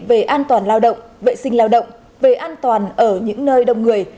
về an toàn lao động vệ sinh lao động về an toàn ở những nơi đông người